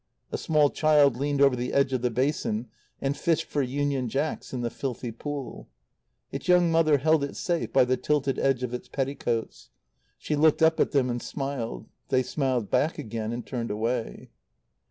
A small child leaned over the edge of the basin and fished for Union Jacks in the filthy pool. Its young mother held it safe by the tilted edge of its petticoats. She looked up at them and smiled. They smiled back again and turned away.